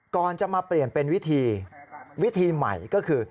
ก่อนจะมาเปลี่ยนเป็นวิธีวิธีใหม่ก็คือ